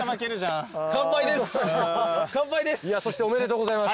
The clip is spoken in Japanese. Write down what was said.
おめでとうございます。